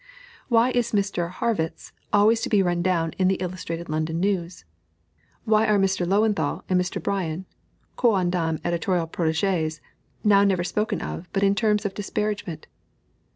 Why is Mr. Harrwitz always to be run down in the Illustrated London News? Why are Mr. Löwenthal and Mr. Brien, quondam editorial protégés, now never spoken of but in terms of disparagement?